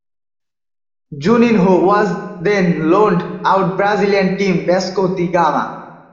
Juninho was then loaned out to Brazilian team Vasco da Gama.